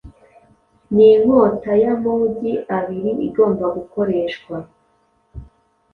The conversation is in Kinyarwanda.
Ni inkota y’amugi abiri igomba gukoreshwa